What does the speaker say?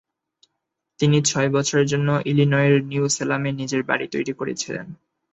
তিনি ছয় বছরের জন্য ইলিনয়ের নিউ সেলামে নিজের বাড়ি তৈরি করেছিলেন।